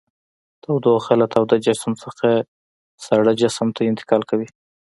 تودوخه له تاوده جسم څخه ساړه جسم ته انتقال کوي.